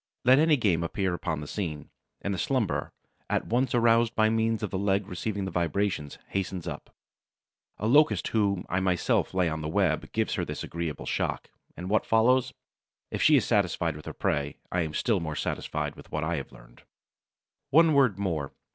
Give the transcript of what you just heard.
Let any game appear upon the scene, and the slumberer, at once aroused by means of the leg receiving the vibrations, hastens up. A Locust whom I myself lay on the web gives her this agreeable shock, and what follows? If she is satisfied with her prey, I am still more satisfied with what I have learned. One word more.